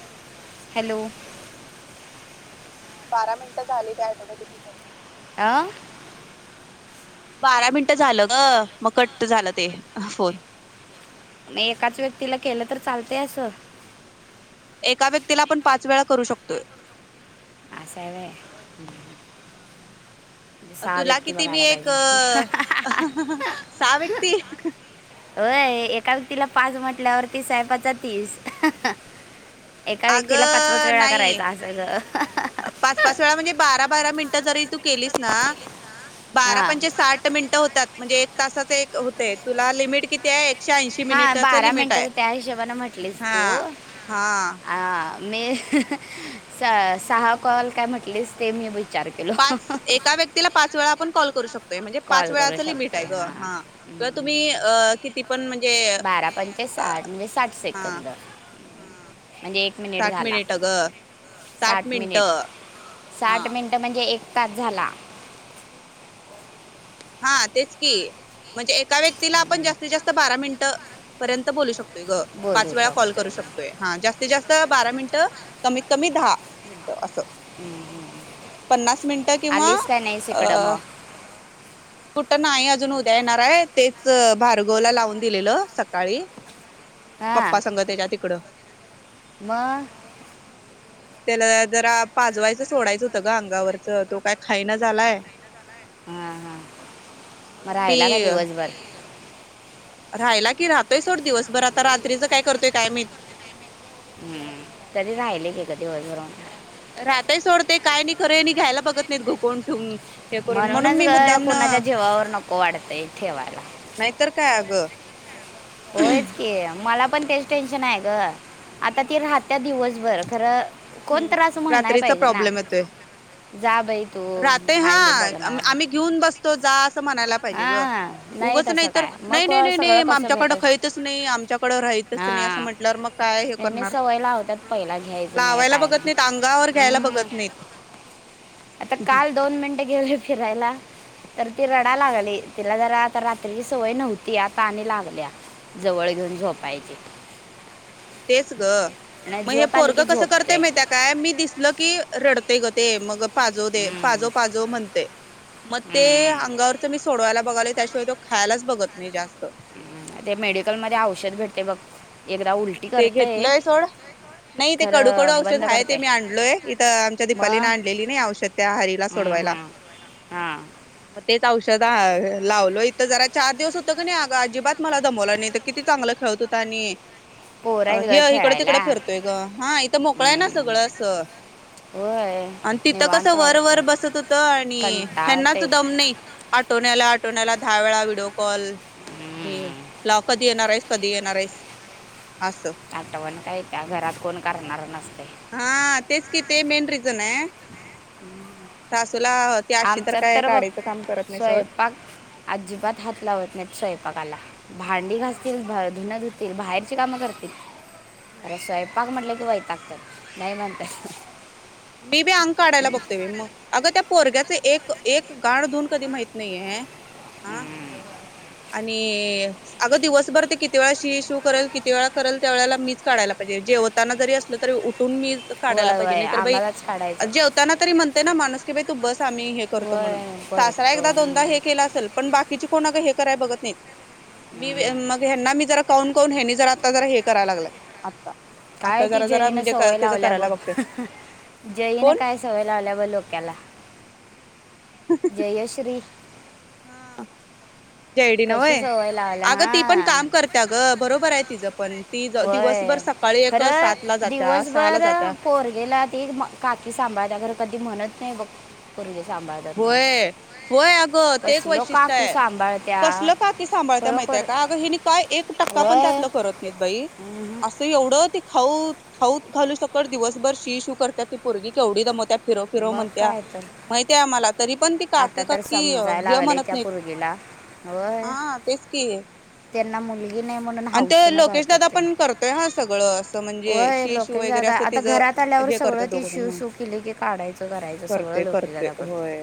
Hello [inaudible] hello बारा मिनिटं झाली ते टोमॅटिकली बंद पडत्या आ बारा मिनिट झालं ग मग कट झालं ते फोन म एकाच व्यक्तीला केलं तर चालतय असं एका व्यक्तीला पण पाच वेळा करू शकतोय अस हाय होय हा हा. सा तुला वक्ती किती मी बगला एक पाहिजे सहा व्यक्ती होय एका व्यक्तीला पाच म्हटल्यावरती साहेपाचा तीस एका व्यक्तीला पाच पाच अगं वेळा नाही करायचा असं ग पाच पाच वेळा म्हणजे बारा बारा मिनिटं जरी तू केलीस ना बारा हां पणजे साठ मिनिटं होतात म्हणजे एक तासाच होते तुला लिमिट किती आहे एकशे ऐंशी हा मिनिटाचं बारा लिमिट मिनटाच आहे त्या हिशेबाने म्हटलेस हा तू हा ह मी सहा कॉल काय म्हटलेच ते मी बघ पाच एका व्यक्तीला पाच वेळा आपण कॉल करू शकतो म्हणजे पाच कॉल करू वेळाच लिमिट आहे शकतो ग हां हा किंवा हम्म. तुम्ही अ किती पण म्हणजे बारा पंचे साठ म्हणजे साठ सेकंद ह म्हणजे एक साठ झाला मिनिट अ ग साठ मिनिट साठ मिनिट म्हणजे एक तस झाला हा तेच की म्हणजे एका व्यक्तीला आपण जास्तीत जास्त बारा मिनटं पर्यंत बोलू शकतोय ग बोलू पाच वेळा कॉल शकतो करू शकतोय हा जास्तीत जास्त बारा मिनिट कमीत कमी दहा अस पन्नास मिनिटं किंवा आलीस काय नाहीस अ इकडं मग [inaudible] कुठं नाही अजून उद्या येणार आहे तेच भार्गवला लावून दिलेलं सकाळी पप्पा संग त्याच्या तिकडं म त्याला जरा पाजवायचं सोडायचं होतं ग अंगावरच तो काय खायन झालाय हा हा मग म्हणून राहिला का दिवसभर राहायला की राहतोय सोड दिवसभर आता रात्रीच काय करतोय काय मी हम्म तरी राहिले घे गा दिवसभरून राहताय सोडते काय नाही खरय घ्यायला बघत नाहीत ग कोण ठेऊन म्हणूनच कोणाच्या जेवावर नको वाढतय ठेवायला नाहीतर काय अग होयच की मला पण तेच टेन्शन आहे ग आता ती राहत्या हम्म दिवसभर खरं कोणत असं म्हणणार रात्रीचा पाहिजे ना जा बाई तू राह हा हाय मी बघणार आम्ही घेऊन बसतो जा म्हला पाजे हां उगाच नाही तसं तर काय नाही मग नाई सगळं नाई कसं आमच्याकड भेटल खतच नाही आमच्याकड राहतच नाई हां म्हंटल्या वर मग काय नेहमी करणार सवय लावतात पहिला घ्यायचं नाही लावायला काय बगत नाही नाईत अंगावर ग्यायला हम्म. बघत नाही आता काल दोन मिनिटं गेले फिरायला तर ती हम्म. रडा लागली. तिला जरा आता रात्रीची सवय नव्हती आता आणि लागल्या. जवळ घेऊन झोपायची हम्म तेच ग आणि म हे झोप आली पोरग की कसं झोपते करतय माहितीये काय मी दिसल की रडतय ग ते मग पाजो दे हम्म. पाजो पाजो म्हणते म ते हम्म. अंगावरच मी सोडवायला बघाल त्याशिवाय तो खायलाच बघत नाही जास्त ते मेडिकल मध्ये औषध भेटते बघ एकदा उलटी ते करते घेतलंय सोड नाही ते कडूकडू खरं औषध बंद आहे ते करते मी आणलोय इथं आमच्या दीपालीने मग आणलेली नाही औषध त्या हरीला सोड हम्म, वायला हम्म. हां म तेच औषध त दा लावलो इथ जरा चार दिवस होतं क नाही अग अजिबात मला दमवलं नाही तर किती चांगलं खेळत होता आणि आणि पोरं आहेत ग हे इकड खेळायला तिकडे फिरतोय ग हा इथं मोकळा आहे ना हम्म. सगळं अस. होय आणि तिथं कस निवांत वर वाटतं वर बसत होत आणि ह्यांनाच कंटाळते दम नाही आठ आटोण्याला आटवण्याला दहा वेळा विडो कॉल आणि हम्म, लाव कधी येणार आहेस कधी येणार आहेस असं. आठवण काय त्या घरात कोण करणार नसते हा तेच कि ते मेन रिजन आहे सासूला ती अशी तर आमच्यात काय बघ काडीच काम करत नाही सोड स्वयंपाक अजिबात हात लावत नाही स्वयंपाकाला भांडी हम्म घासतील भ धुनं धुतील बाहेरची कामं करतील आणि हम्म स्वयंपाक म्हटलं वयतगतात नाहीय म्हणतात मी बी अंग काढाला बघतो बाई मग अग त्या पोरग्याचे एक एक गाड धुन कधी माहित नाहीेये हा आणि अगं दिवसभर ते किती वेळा शी शिू करेल किती वेळा करेल त्या वेळेला मीच काढायला पाहिजे जेवताना जरी असलं तरी उठून मीच काढाला वय पाहिजे वय नाही तर बाई आम्हालाच अ काढायचं जेवताना तरी म्हणते ना माणूस की बा तू बस आम्ही हे करतो म्हणून वय सासरा करतो एकदा दोनदा हे हम्म. के ल असेलपण बाकीचे कोण हे कराय बघत नाही मी बी मग ह्यांना मी जरा कौन कोण ना हे जर आता जरा हे करायला लागल आता काय आता ती जरा जरा जईन म्हणजे सवय त्याचं लावल्या बघ करायला बघतोय जईनं कोण काय सवय लावल्या ब लोक्याला जयश्री हा जयडी कशी नवय सवय लावल्या अगं ती पण हां काम करते अग बरोबर आहे तिचं पण ती दिवसभर होय सकाळी एक खरं सात ला जात्या सहा ला दिवसभर जात्या पोर गेला ती काकी सा बा त्या घर कधी म्हणत नाही बघ पोरगे सांभाळतात म्हणून होय होय अग ते एक कसलो वैशिष्ट्य काकी आहे सांभाळत्या कसल काकी सांभाळ म त्या माहितीये खरोखर का अगं हिने काय एक टक्का पण त्या होय करत नाही उम्हम. अस एवढ खाऊ खाऊ खालू सकळ दिवसभर शी शू करतात ती पोरगी केवढी दमत आहे फिरो फिरो मग म्हणत्या काय तर माहित मला तरी पण ती आता काकी तर कि समजायला हे लागले म्हणत त्या नाहीत पोरगीला होय हा तेच कि त्यांना मुली मुलगी नाही म्हणून हऊस ने करतात दादा ते पण करतोय हा सगळं असं म्हणजे व्हय शी शू लोकेश वगैरे दादा असं आता घरात तिचं आल्यावर हे करते सगळं ते दोघ जण शि म्हणून शू केले की काढ. करते करते होय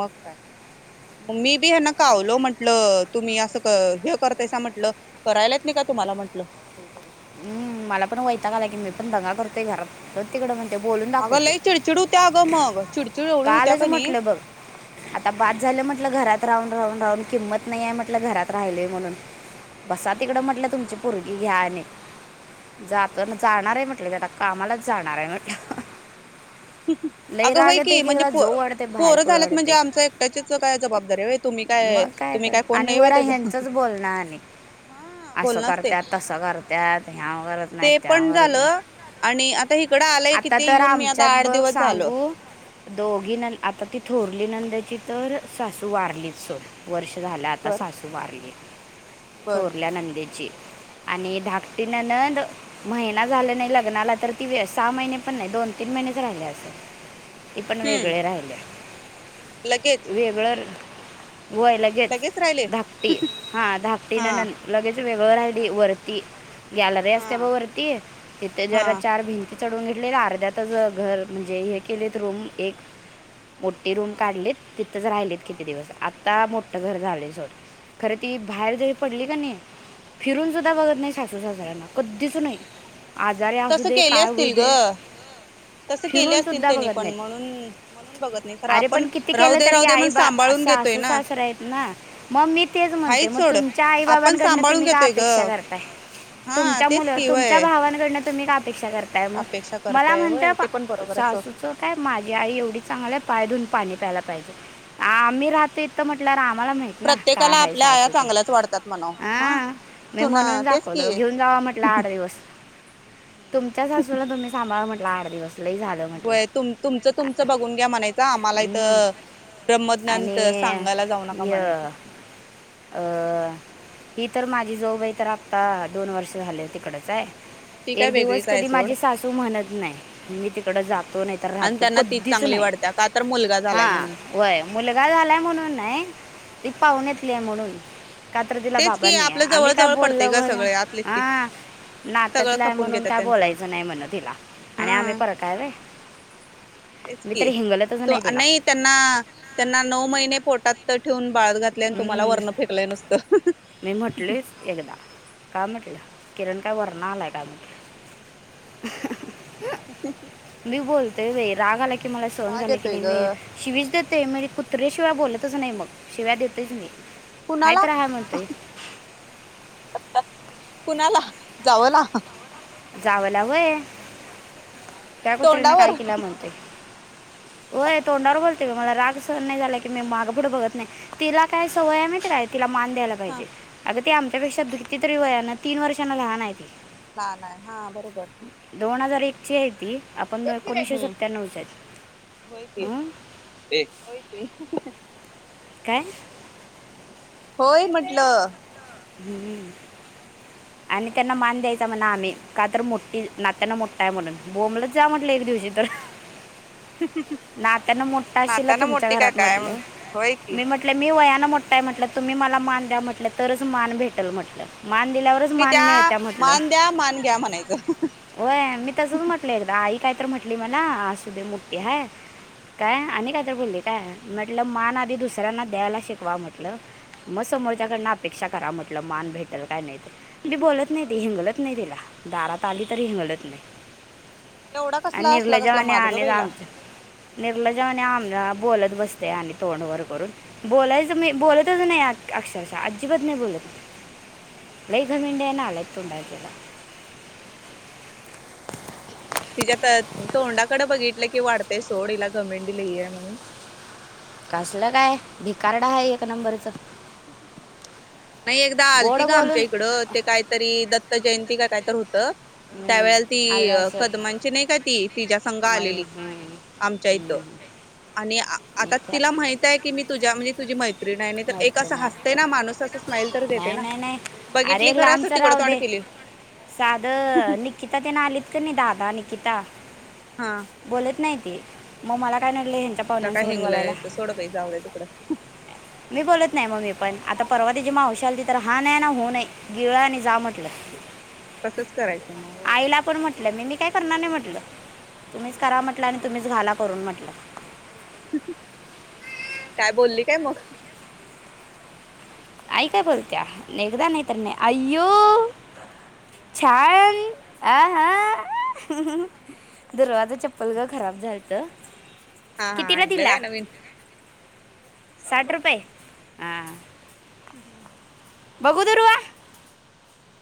मग काय. म मी बी ह्यांना कावलो म्हंटल तुम्ही असं क हे करतायसा म्हटल करायलात नाही का तुम्हाला म्हटलं हे. हम् मला पण वयताग आलाय की मी पण दंगा करतोय घरात हो तिकडं ते बोलून अगं दाखवते लई चिडचिड होत्या अगं मग चिडचिड एवढी होत्या कालच का नाही म्हटलं बघ आता बास झालं म्हटलं घरात राहून राहून राहून किंमत नाही आहे म्हटलं घरात राहिलोय म्हणून बसा तिकडं म्हटलं तुमची हा परगी घ्या आणि जाताना हा जाणाराय आहे म्हटलं आता मी कामालाच जाणार आहे म्हटलं लई अगं राग होय येते की म्हणजे जरा जाऊ वाढते बाहेर पोरं पुढे झाल्यात म्हणजे वाढते आमच्या एकट्याचीच काय जबाबदारी आहे होय तुम्ही मग काय तुम्ही तर कोण आणि नाही होय वर त्याच ह्यांचंच बोलणं आणि हा अस बोलणं असतंय करत्यात तसं करत्यात ह्यावं करत नाहीत ते पण त्याव्ह करत नाही झालं आणि आता हिकडं आलंय आता किती तर येऊन मी आता आमच्यात आठ बघ दिवस झालं सांगू दोघी हम्म न आता तिथ थोरली नंदची तर सासू वारलीच सोड वर्ष झालं आता बर सासू वारली बर थोरल्यानंदेची आणि धाकटी नणंद महिना झाले नाही लग्नाला तर ती व सहा महिने पण नाही दोन तीन महिनेच राहिले असेल ते पण हम्म वेगळे राहिले लगेच वेगळं होय लगेच धाकटी हा धाकटी हा नणंद लगेच वेगळं राहिली हा वरती गॅलरी हा असते बघ वरती तिथे हा जरा चार भिंती चढून घेतलेत अर्ध्यातच घर म्हणजे हे केलेत रूम एक मोठे रूम हम्म काढलेत तिथंच राहिलेत किती दिवस आता मोठं घर झालंय सोड खरं ती बाहेर जरी पडली कणी फिरून सुद्धा बघत नय सासू सासऱ्यांना कधीच नाही आजार असू तसं दे केले काय असतील ग होऊदे तसं केले फिरून असतील सुद्धा त्यांनी बघत पण नाहीत म्हणून म्हणून बघत नाही खरं अरे आपण पण किती राहू केलं दे तरी राहू दे आई म्हण बा सासू सांभाळून घेतोय सासू ना सासरे आहेत ना मग मी तेच म्हणते हाच मग सोड तुमच्या आई आपण बाबांकडन सांभाळून तुम्ही काय घेतोय ग अपेक्षा करताय हा तुमच्या तेच मुलं कि तुमच्या व्हय भावांनकडन अपेक्षा करताय मग अपेक्षा मला करताय होय म्हणत ते पण बरोबर आहे सोड सासूचं काय माझी आई एवढी चांगली आहे पायधून पाणी प्यायला पाहिजे आम्ही राहते इथे म्हणल्यावर आ मला माहित ना काय प्रत्येकाला हाय आपल्या आया सासू ते चांगल्याच वाढतात म्हणाव हा आ मी सुना म्हणून तेच दाखवल की घेऊन जावा म्हटलं आठ दिवस तुमच्याच सासूला तुम्ही सांभाळ म्हटलं आठ दिवस लई झालं म्हटलं होय त तुमचं तुमचं बघून घ्या म्हणायचं आम्हाला इथं ब्रम्हज्ञान ऐ य अ ही तर माझी जाऊबाई तर आत्ता दोन वर्ष झाले तिकडच हाय ती काय एक दिवस वेगळीच आहे कधी सोड माझी सासू म्हणत नाही मी तिकड जातो हम्म नाही तर आणि राहतो त्यांना कधीच तीच कधीच चांगली नाय वाटत्या का तर मुलगा हा झालाय म्हणून होय मुलगा काय झालाय म्हणून नाय ती हम्म पाहुण्यातली आहे म्हणून का तर तिला तेच बाबा की नाही आहे आपलं जवळ आम्ही काय जवळ पडते ग बोल्यावरण सगळे आतलेच की हा सगळं नात्यातली आहे खपून म्हणून घेतात काय त्यांचं बोलायचं नाही म्हण तिला आणि आम्ही हा परखं हाय व्हय तेच की त त्यांना त्यांना नऊ महिने पोटात तर ठेवून बाळ घातल्या आणि तुम्हाला हम्म. वर्ण फेकलय नुसता मी म्हटलयच एकदा का म्हटलं किरण काय वरण आलाय काय म्हटलं हम् नय नय राग आला की मला सहन नाही झालं की ग मी शिवीच देते मी कुत्रे अशी शिव्या शिवाय बोलतच नाही मग शिव्या देतच मी हाय कुणाला तर हाय म्हणतय कुणाला जावं ला जावेला व्हय त्या कुत्रीनं तोंडावर काय केल्या म्हणतेय [inaudible] होय तोंडावर बोलते मला राग सहन नाही झालाय की मी माग पुढं बघत नाही तिला काय सवय आहे माहितेय काय तिला मान द्यायला पाहिजे अग ते आमच्यापेक्षा किती तरी वयान तीन वर्षांन लहान आहे लहान आहे ना हा बरोबर दोन हजार एक एक ची आहे ती आपण एकोणीशे सत्यानव्हच हाय होय की काय होय म्हंटलं‌. [unintelligible] आणि त्यांना मान द्यायचा म्हन आम्ही कातर मोठ्ठी नात्यान मोठाय म्हणून बोमलत जा म्हंटले जुजी तर [inaudible] नात्यान मोठा आसशिला नाताना तुमच्या मोठी काय घरात काय म्हंटले म्हण होय की मी म्हंटले मी वयान न मोठाय म्हंटलं तुम्ही मला मान द्या म्हंटलं तरच मान भेटल म्हंटलं. तुम्ही द्या मान द्या मान घ्या म्हणायच. होय मी तसंच म्हटले एकदा आई काय तर म्हंटली मला असुदे मोठ्ठी हाय. काय आणि कायतर बोल्ली काय म्हंटलं मान आधी दुसऱ्यांना द्यायला शिकवा म्हंटलं म समोरच्याकडन अपेक्षा करा म्हंटलं मान भेटल काय नायते मी बोलत नायती हिंगलत नाई तिला दारात ताली तरी हिंगलत नइ एवढा आणि कसला असला कसला निर्लज्यावानी माझा ग आनी बाईला. आमच निर्लज्यावानी आमन बोलत बसत्या आणि तोंडवर करून बोलायच मी बोलतच नाइ आ अक्षरशः अज्जिबात नाय बोलत लई घमेंडि हाय नालायक [inaudible] तिज्या तर तोंडाकड बघितलं की वाडतय सोड हिला घमेंडी लइ हाय म्हणून. कसल काय भिखार्ड हाय एक नंबरचं. नइ एकदा गोड आलतीग बोलून आमच्या इकडं ते काहीतरी दत् त जयंती का काय तर हुत त्या हम्म, वेळेला आलं तीअ असं कदमांची नाही का ती तिज्या संग मै आलेली. हम्म, आमच्या इत हम्म, आणि आ आता मित्र तिला माहिताय की मी तुझ्या म्हंजे तुझी मै न्हाय तर नाय स्माईल तर देते नाय ना. नाय नाय बघितली अरे खरं असं लांबच तिकडं तोंड राहुदे. केली साधं निकिता तेन आलीत किनइ दादा नि किता हा बोलत नाईती म मला काय नडलंय हेंच्या हिला काय पावन्यांनसोबत बोलायला? हिंगलायचं सोडं बाई जाऊ द्या तिकडं. मी बोलत नाय म मीपण आता परवा तीजी मावशी हम्म आल्तीतर हां नाय आना हुं नाई गिळा आणि जा म्हटलं तसंच करायचं म होय. इला पण म्हंटलं मी नई काय करणार नई म्हटलं तुम्हीच करा हम्म. म्हंटलं आणि तुम्हीच घाला करून म्हंटलं. काय बोल्ली काय मग? आई काय बोलत्या. एकदा नाय तर नाय हम्म अय्यो काय छान झालं? आ हां. दुर्वाच चप्पल गं खराब झालतं. हां हां आणलं काय नवीन? साट रुपये हां. [inaudible] बघू दुर्वा.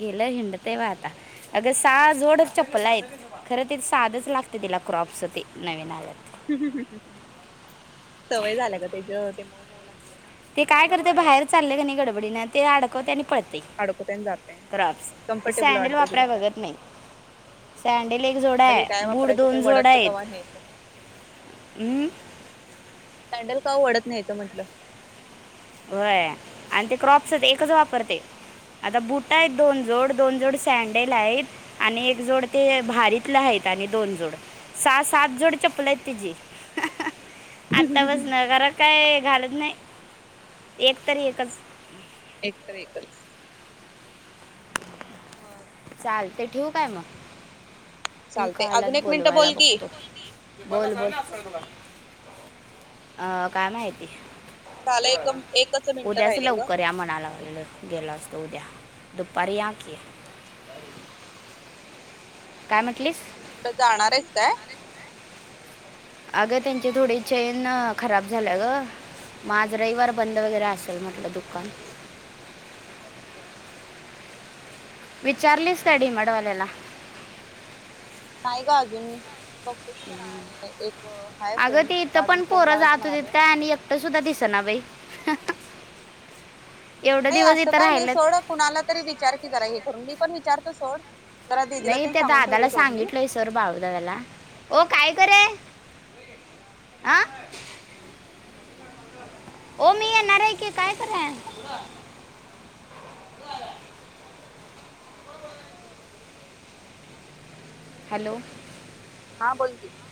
गेलं हिंडतय ब आता. अगं सहा जोड चप्पलायत. खरं ते साधच लागते तिला, क्रॉप्सते नवीन आ हं हं हं सवय झाल्या ग, तेच तेम मुलान ते काय करते, बाहेर चाललं कीनई गडबडीन ते अडकवत्या, आणि पळ ते अडकूतेन जाते हा. क्रॉप्स ते कम्फर्टेबल सँडल वाटते वापराय तिला त्यात. बघत नाई. सॅंडेल एक सँडल जोडाय, काय बूट वापरायचं ते दोन वडत कवा जोडायतं. न्यायचं हम्म् सँडल कवा वडत न्ह्यायच म्हंटलं. व्हय. आणि ते क्रॉप्सच हम्म एकचं वापरते. आता बुटायत दोन जोड, दोन जोड सँडेल हाईत आणि एक जोड ते भारीत चपल्या हाईत आनी दोन जोड सा, सात जोड हम्म. चपलाइत तिची. आत्तापसन घरात काय घालत नाय. एक तर एकच. एक तर एकच. मग. ते ठेऊ काय मग? ती का चालते आल्यात अजून एक मिनिटं बोलवायला बोल की. बघतो. बोल बोल. अह काय माहिती? झालं एक एकच मिनिटं उद्याच राहिले ग लवकर या म्हणालागले, गेलो असतो उद्या. दुपारी याकी. काय म्हटलीस कोणीकड जाणायस काय? अगं त्यांची थोडी चेन अं, खराब झाल्या ग. माझ रविवार बंद वगैरे असेल म्हटलं दुकान. [inaudible] विचारलीस काय डी मार्ट वाल्याला? नाही ग अजून. बघतो की जरा आणि एक हाय अगं फ्रेंड ते इथं त्याला अजून फोन लावायचा म्हणालोय. सनावेई नाही असं काय नाही सोड, कुणाला तरी विचार की जरा हे करून मी पण विचारतो सोड. जरा दिदीला नाही. ते त्या सांगून दादाला ठेवले सोड मी सांगितलंय सर बाळूदादाला. ओ काय करे? आं. ओ मी येणार आहे की, काय कराय? हॅलो. हां. बोल की.